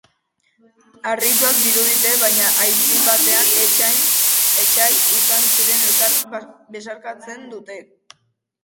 Harrituak dirudite baina aitzin batean etsai izan zirenek elkar besarkatzen dute.